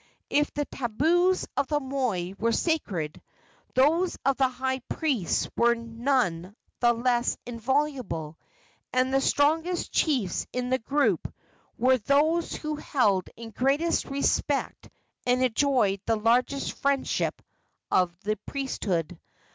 If the tabus of the moi were sacred, those of the high priests were none the less inviolable, and the strongest chiefs in the group were those who held in greatest respect and enjoyed the largest friendship of the priesthood.